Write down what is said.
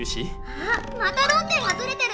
あまた論点がずれてる。